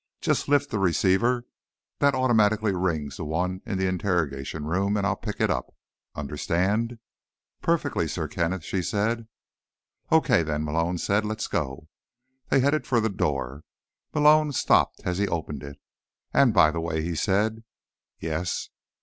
Just lift the receiver. That automatically rings the one in the interrogation room and I'll pick it up. Understand?" "Perfectly, Sir Kenneth," she said. "Okay, then," Malone said. "Let's go." They headed for the door. Malone stopped as he opened it. "And by the way," he said. "Yes?"